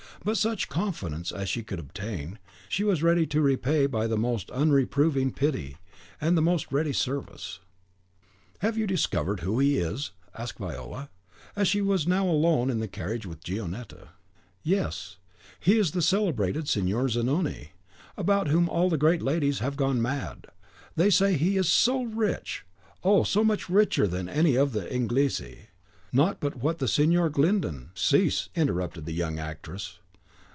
But such confidence as she could obtain, she was ready to repay by the most unreproving pity and the most ready service. "Have you discovered who he is?" asked Viola, as she was now alone in the carriage with Gionetta. "Yes; he is the celebrated Signor Zanoni, about whom all the great ladies have gone mad. They say he is so rich! oh! so much richer than any of the Inglesi! not but what the Signor Glyndon " "Cease!" interrupted the young actress.